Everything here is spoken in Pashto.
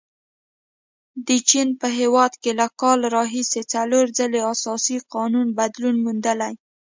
د چین په هیواد کې له کال راهیسې څلور ځلې اساسي قانون بدلون موندلی.